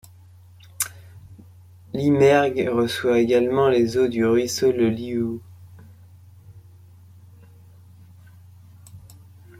L'Imergue reçoit également les eaux du Ruisseau le Lioux.